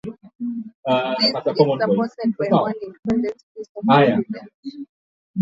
This is supported by one independent piece of evidence.